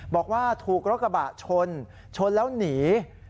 บอกว่าถูกรถกระบะชนชนแล้วหนี